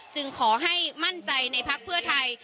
จึงขอให้มั่นใจในพักเพื่อไทย